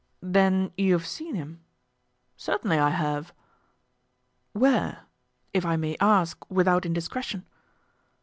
"Then you have seen him?" "Certainly I have." "Where? if I may ask without indiscretion."